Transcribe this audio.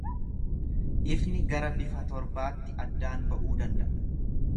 Ifni gara bifa torbaatti addaan ba’uu danda’a.